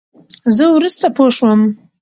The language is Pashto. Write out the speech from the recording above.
زه ورورسته پوشوم.